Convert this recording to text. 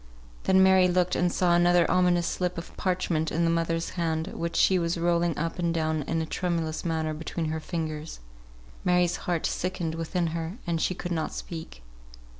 Then Mary looked and saw another ominous slip of parchment in the mother's hand, which she was rolling up and down in a tremulous manner between her fingers. Mary's heart sickened within her, and she could not speak.